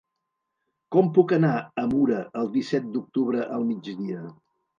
Com puc anar a Mura el disset d'octubre al migdia?